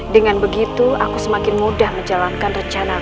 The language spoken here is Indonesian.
dengan begitu aku semakin mudah menjalankan rencanamu